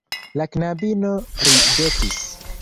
La knabino ridetis.